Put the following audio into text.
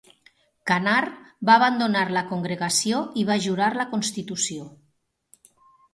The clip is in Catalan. Canard, va abandonar la congregació i va jurar la constitució.